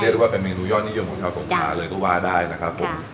ได้ว่าเป็นเมนูยอดนิยมของชาวสงขลาเลยก็ว่าได้นะครับผม